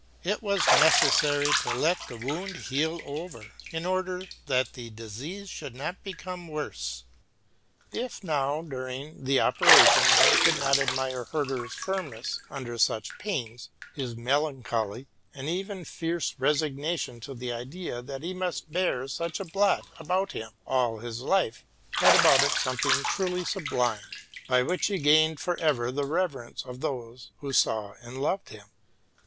It was necessary to let the wound heal over lest the disease should become worse. If, now, during the operation, one gould but admire Herder's firmness under such pains, his melancholy and even fierce resignation to the idea that he must bear such a blot about him all his life had about it some thing truly sublime, by which he gained forever the reverence 20 TRUTH AND FICTION of those who saw and loved him.